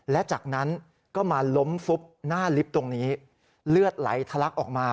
และจากนั้นก็มาล้มฟุบหน้าลิฟต์ตรงนี้เลือดไหลทะลักออกมา